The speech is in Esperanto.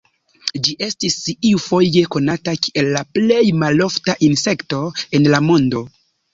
Ĝi estis iufoje konata kiel la plej malofta insekto en la mondo.